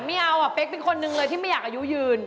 ไม่เอาอ่ะเป๊กเป็นคนหนึ่งเลยที่ไม่อยากอายุยืน